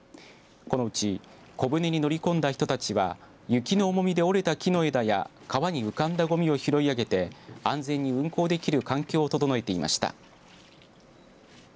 このうち小船に乗り込んだ人たちは雪の重みで折れた木の枝や川に浮かんだごみを拾い上げて安全に運航できる環境を整えていました。